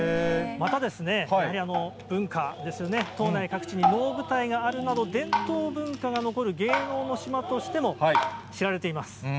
また、文化ですよね、島内各地に能舞台があるなど、伝統文化が残る芸能の島としても知られています。